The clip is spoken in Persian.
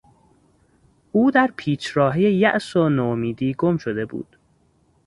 او در پیچراههی یاس و نومیدی گم شده بود.